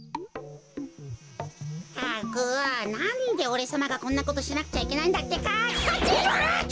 ったくなんでおれさまがこんなことしなくちゃいけないんだってか？ハチ！あっと！